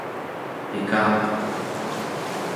pikaqa